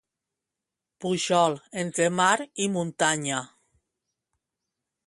Puçol, entre mar i muntanya.